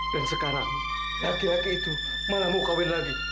dan sekarang laki laki itu malah mau kahwin lagi